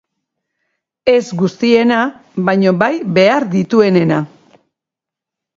Ez guztiena, baina bai behar dituenena.